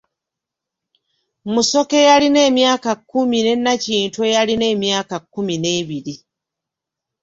Musoke eyalina emyaka kkumi ne Nakintu eyalina emyaka kkumi n'ebiri.